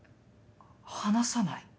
話さない？